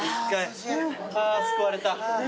あ救われた。